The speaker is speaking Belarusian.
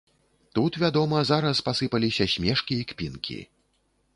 Тут, вядома, зараз пасыпаліся смешкі і кпінкі.